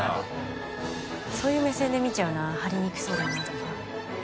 そういう目線で見ちゃうな張りにくそうだなとか。